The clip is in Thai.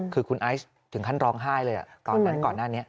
คือคุณไอซ์ถึงขั้นร้องไห้เลยตอนนั้นก่อนหน้านี้